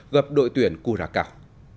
gặp đội tuyển cura cao